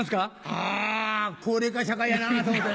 あ高齢化社会やなぁと思って。